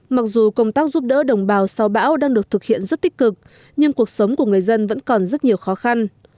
mặc dù công tác giúp đỡ đồng bào sau bão đang được thực hiện rất tích cực nhưng cuộc sống của người dân vẫn còn rất nhiều khó khăn